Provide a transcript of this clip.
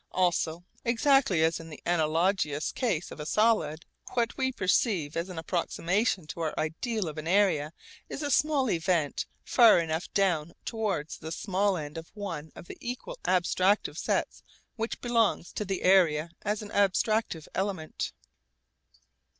Also, exactly as in the analogous case of a solid, what we perceive as an approximation to our ideal of an area is a small event far enough down towards the small end of one of the equal abstractive sets which belongs to the area as an abstractive element.